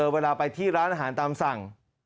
เวลาไปที่ร้านอาหารตามสั่ง